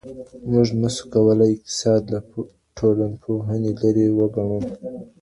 موږ نسو کولای اقتصاد له ټولنپوهني لري وګڼو.